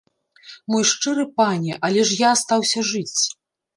Мой шчыры пане, але ж я астаўся жыць.